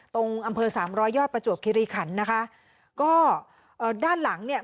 ตรงอำเภอสามร้อยยอดประจวบคิริขันนะคะก็เอ่อด้านหลังเนี่ย